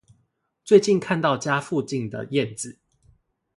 最近看到家附近的燕子